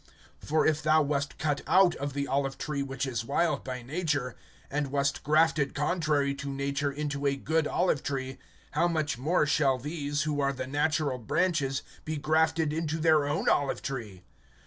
(24)For if thou wast cut out of the olive tree which is wild by nature, and wast grafted contrary to nature into a good olive tree; how much more shall these, who are the natural branches, be grafted into their own olive tree?